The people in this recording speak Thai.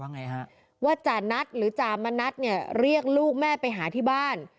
ไงฮะว่าจานัทหรือจามณัฐเนี่ยเรียกลูกแม่ไปหาที่บ้าน